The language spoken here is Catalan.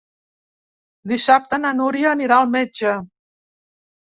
Dissabte na Núria anirà al metge.